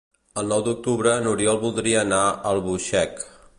El nou d'octubre n'Oriol voldria anar a Albuixec.